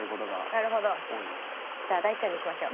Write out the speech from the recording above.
じゃあ大ちゃんにしましょう。